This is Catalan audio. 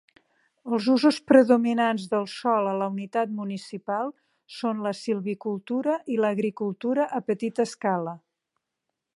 Els usos predominants del sòl a la unitat municipal són la silvicultura i l'agricultura a petita escala.